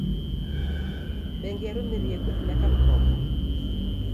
Bengi yarumirie kudineka mkopo.